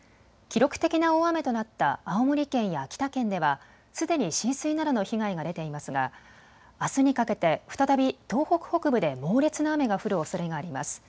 記録的な大雨となった青森県や秋田県ではすでに浸水などの被害が出ていますがあすにかけて再び東北北部で猛烈な雨が降るおそれがあります。